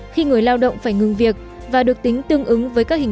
khi người lao động phải ngừng việc và được tính tương ứng với các hình